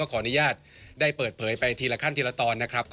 ขออนุญาตได้เปิดเผยไปทีละขั้นทีละตอนนะครับ